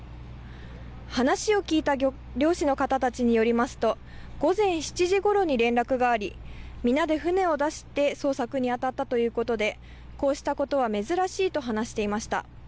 話を聞いた漁師の方たちによりますと午前７時ごろに連絡があり皆で船を出して捜索に当たったということでこうしたことは珍しいと話していました。